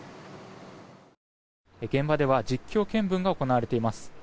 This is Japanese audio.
現場では実況見分が行われています。